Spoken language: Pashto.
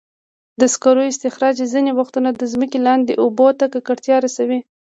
د سکرو استخراج ځینې وختونه د ځمکې لاندې اوبو ته ککړتیا رسوي.